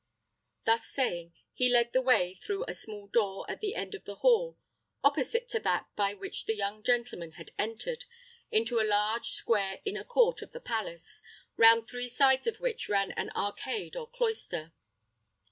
Thus saying, he led the way through a small door at the end of the hall opposite to that by which the young gentleman had entered into a large, square, inner court of the palace, round three sides of which ran an arcade or cloister.